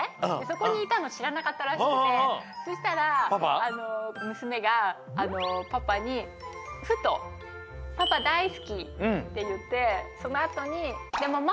そこにいたのしらなかったらしくてそしたらむすめがパパにふと「パパ大好き」っていってそのあとに「でもママほどじゃないけどね」